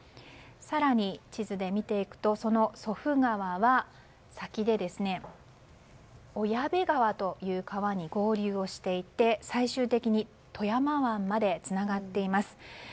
更に地図で見ていくとその祖父川は先で、小矢部川という川に合流をしていて最終的に富山湾までつながっています。